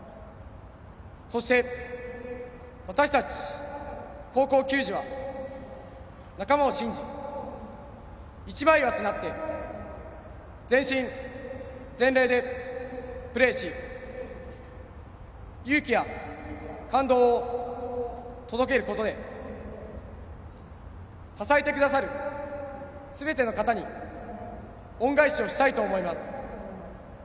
そして、私たち高校球児は仲間を信じ、一枚岩となって全身全霊でプレーし勇気や感動を届けることで支えてくださる、すべての方に恩返しをしたいと思います。